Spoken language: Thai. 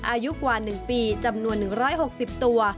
อายุกว่า๑ปีจำนวน๑๖๐ตัว